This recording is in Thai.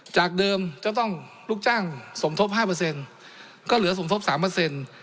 จากเดิมจะต้องลูกจ้างสมทบห้าเปอร์เซ็นต์ก็เหลือสมทบสามเปอร์เซ็นต์